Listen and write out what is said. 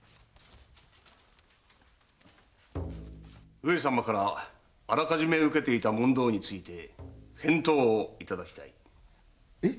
上様からあらかじめ受けていた問答について返答をいただく。